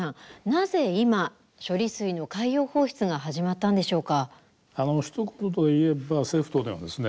なぜ今、処理水の海洋放出が始まったんでしょうか？